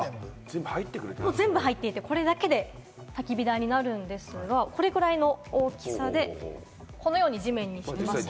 全部入っていて、これだけでたき火台になるんですが、これくらいの大きさで、このように地面に敷きます。